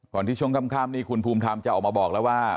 ที่ช่วงค่ำนี่คุณภูมิธรรมจะออกมาบอกแล้วว่า